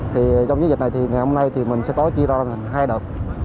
trong dịch này thì ngày hôm nay mình sẽ có chia ra hai đợt